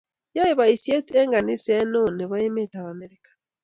yoee boishet eng kaniset neoo eng emetab America